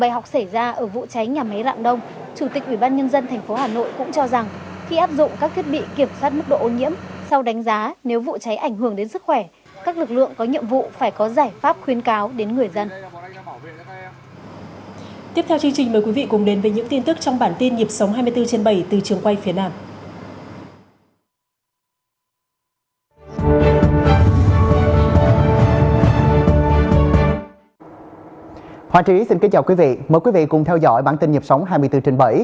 hoàng trí xin kính chào quý vị mời quý vị cùng theo dõi bản tin nhịp sống hai mươi bốn trên bảy